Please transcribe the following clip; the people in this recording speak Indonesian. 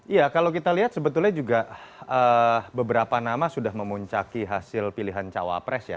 iya kalau kita lihat sebetulnya juga beberapa nama sudah memuncaki hasil pilihan cawapres ya